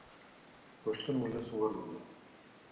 پښتون اولس و روزئ.